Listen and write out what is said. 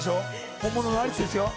本物のアリスですよ。